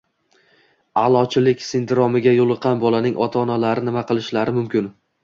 Aʼlochilik sindromiga yo‘liqqan bolaning ota-onalari nima qilishlari mumkin?